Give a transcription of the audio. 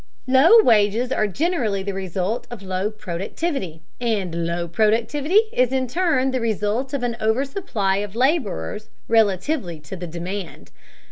Low wages are generally the result of low productivity, and low productivity is in turn the result of an oversupply of laborers relatively to the demand.